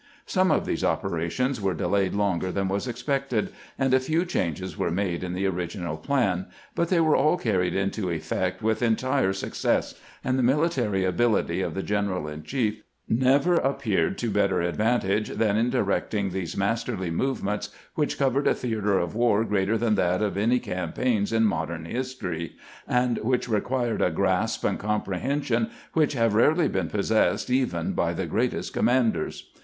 Some of these operations were delayed longer than was expected, and a few changes were made in the original plan ; but they were all carried into effect with entire success, and the military ability of the general in chief never appeared to better advantage than in directing these masterly movements, which covered a theater of war greater than that of any campaigns in modern history, and which required a grasp and comprehension which have rarely been possessed even by the greatest commanders.